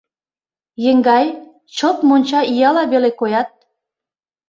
Еҥгай, чылт монча ияла веле коят!